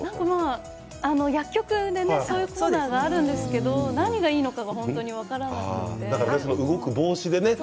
薬局でそういうコーナーがあるんですけど何がいいのか分からなくて。